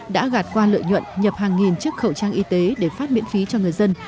đã gạt qua lợi nhuận nhập hàng nghìn chiếc khẩu trang y tế để phát miễn phí cho người dân